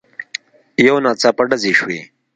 يو ناڅاپه ډزې شوې.